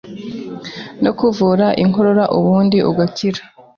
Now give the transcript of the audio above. no kuvura inkorora, ubundi ugakira.